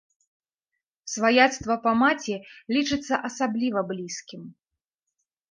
Сваяцтва па маці лічыцца асабліва блізкім.